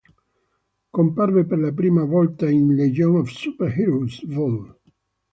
Comparve per la prima volta in "Legion of Super-Heroes" vol.